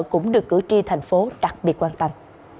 cũng được cử tri thành phố đặc biệt quan tâm